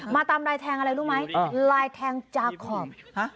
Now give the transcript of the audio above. ตามลายแทงอะไรรู้ไหมลายแทงจาคอม